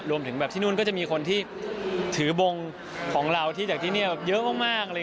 รวมถึงแบบที่นู่นก็จะมีคนที่ถือวงของเราที่จากที่นี่เยอะมาก